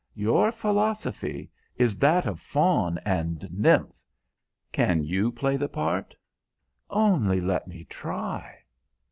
"Your philosophy is that of faun and nymph. Can you play the part?" "Only let me try."